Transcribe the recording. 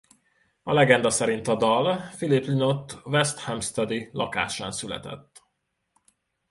A legenda szerint a dal Philip Lynott West Hampstead-i lakásán született.